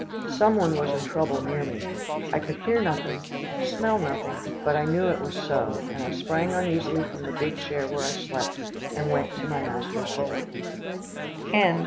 Some one was in trouble near me. I could hear nothing, smell nothing, but I knew it was so, and I sprang uneasily from the big chair where I slept, and went to my master's bed.